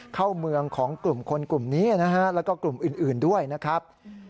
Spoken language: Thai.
เข้าเมืองของกลุ่มคนกลุ่มนี้นะฮะแล้วก็กลุ่มอื่นด้วยนะครับ